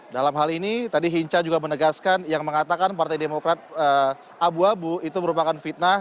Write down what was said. dalam hal ini tadi hinca juga menegaskan yang mengatakan partai demokrat abu abu itu merupakan fitnah